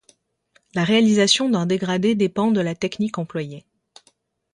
La réalisation d'un dégradé dépend de la technique employée.